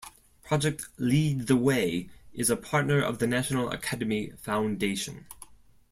Project Lead the Way is a partner of the National Academy Foundation.